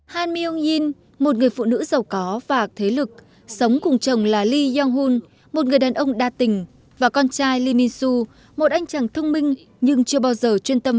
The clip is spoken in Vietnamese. han myung yin một người phụ nữ giàu có và thế lực sống cùng chồng là lee young hun một người đàn ông đa tình và con trai lee min soo một anh chàng thông minh nhưng chưa bao giờ trở thành